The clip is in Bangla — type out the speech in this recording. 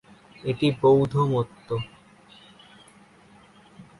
এটি বৌদ্ধ মত।